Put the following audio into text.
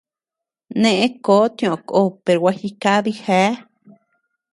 Neʼë kó tiʼö ko, per gua jikadi geá.